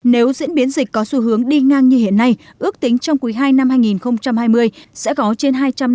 nếu diễn biến dịch có xu hướng đi ngang như hiện nay ước tính trong quý ii năm hai nghìn hai mươi sẽ có trên hai trăm năm mươi